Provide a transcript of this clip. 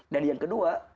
dan yang kedua